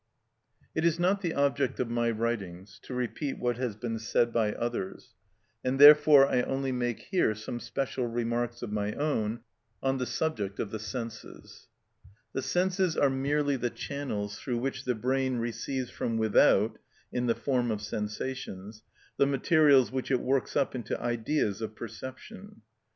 It is not the object of my writings to repeat what has been said by others, and therefore I only make here some special remarks of my own on the subject of the senses. The senses are merely the channels through which the brain receives from without (in the form of sensations) the materials which it works up into ideas of perception.